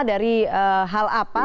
dari hal apa